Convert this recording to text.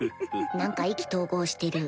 何か意気投合してる